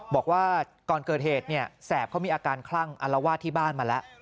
บอกว่าก่อนเกิดเหตุเนี่ยแสบเขามีอาการคลั่งอารวาสที่บ้านมาแล้ว